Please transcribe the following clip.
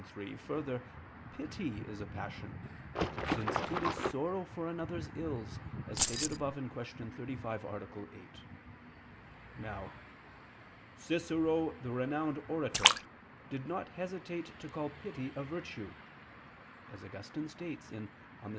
3: Further, pity is a passion, since it is sorrow for another's ills, as stated above (Q. 35, A. 8). Now "Cicero the renowned orator did not hesitate to call pity a virtue," as Augustine states in _De Civ.